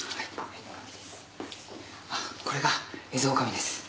これがエゾオオカミです。